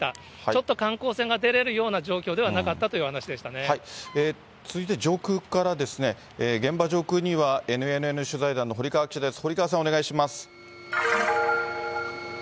ちょっと観光船が出られるような状況ではなかったというお話でし続いて上空からですね、現場上空には、ＮＮＮ取材団の堀川記者です。